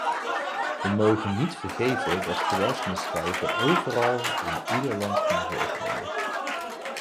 We mogen niet vergeten dat geweldsmisdrijven overal, in ieder land kunnen voorkomen.